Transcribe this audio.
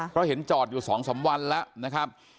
เพราะเห็นจอดอยู่๒๓วันแล้วนะครับ